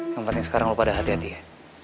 yang penting sekarang kalau pada hati hati ya